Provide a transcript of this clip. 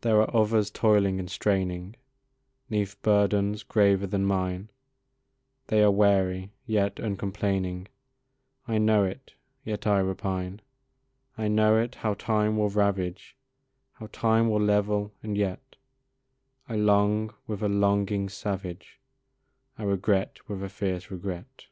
There are others toiling and straining 'Neath burdens graver than mine They are weary, yet uncomplaining I know it, yet I repine; I know it, how time will ravage, How time will level, and yet I long with a longing savage, I regret with a fierce regret.